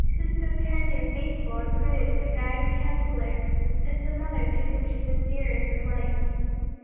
who so tender, faithful and prudent a guide and counsellor as the mother to whom she was dearer than life.